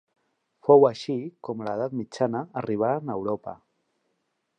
Fou així com a l'edat mitjana arribaren a Europa.